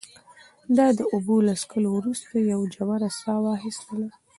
ده د اوبو له څښلو وروسته یوه ژوره ساه واخیسته.